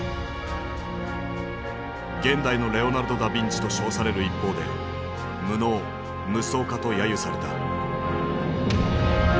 「現代のレオナルド・ダビンチ」と称される一方で「無能」「夢想家」とやゆされた。